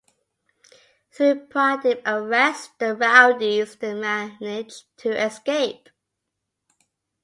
Though Pradeep arrests the rowdies they manage to escape.